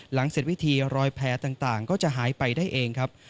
เสร็จวิธีรอยแผลต่างก็จะหายไปได้เองครับ